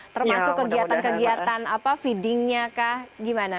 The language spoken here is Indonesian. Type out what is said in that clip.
termasuk kegiatan kegiatan apa feedingnya kah gimana